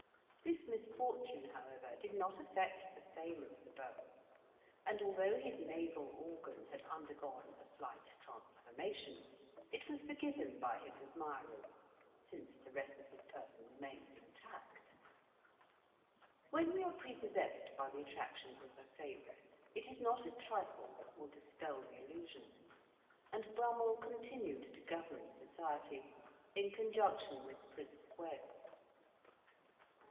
This misfortune, however, did not affect the fame of the beau; and although his nasal organ had undergone a slight transformation, it was forgiven by his admirers, since the rest of his person remained intact. When we are prepossessed by the attractions of a favourite, it is not a trifle that will dispel the illusion; and Brummell continued to govern society, in conjunction with the Prince of Wales.